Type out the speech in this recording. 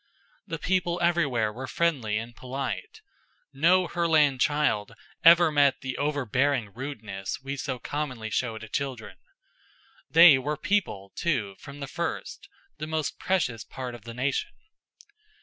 The people everywhere were friendly and polite. No Herland child ever met the overbearing rudeness we so commonly show to children. They were People, too, from the first; the most precious part of the nation.